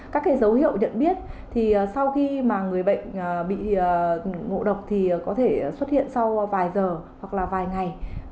các dấu hiệu nhận biết sau khi người bệnh bị ngộ độc có thể xuất hiện sau vài giờ hoặc vài ngày